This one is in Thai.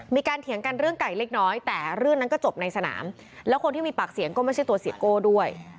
เถียงกันเรื่องไก่เล็กน้อยแต่เรื่องนั้นก็จบในสนามแล้วคนที่มีปากเสียงก็ไม่ใช่ตัวเสียโก้ด้วย